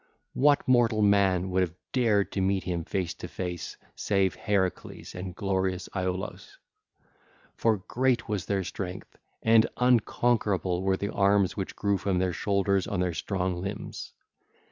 What mortal men would have dared to meet him face to face save Heracles and glorious Iolaus? For great was their strength and unconquerable were the arms which grew from their shoulders on their strong limbs.